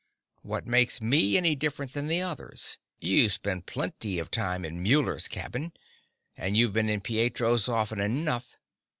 "What makes me any different than the others? You spend plenty of time in Muller's cabin and you've been in Pietro's often enough.